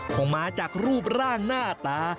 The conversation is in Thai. คงมาจากรูปร่างหน้าตา